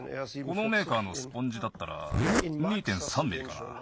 このメーカーのスポンジだったら２．３ミリかな。